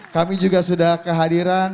kami juga sudah kehadiran